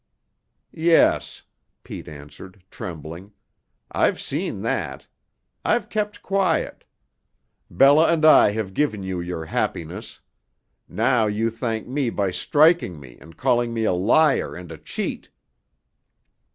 "Yes," Pete answered, trembling. "I've seen that. I've kept quiet. Bella and I have given you your happiness. Now you thank me by striking me and calling me a liar and a cheat!"